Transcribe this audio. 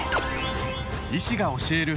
医師が教える！